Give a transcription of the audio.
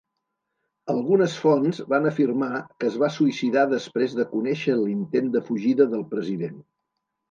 Algunes fonts van afirmar que es va suïcidar després de conèixer l'intent de fugida del president.